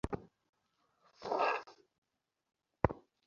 তিনি খেলোয়াড় হিসেবেও রিয়াল মাদ্রিদে খেলেছেন।